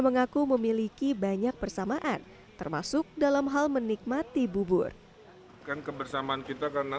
mengaku memiliki banyak persamaan termasuk dalam hal menikmati bubur kan kebersamaan kita karena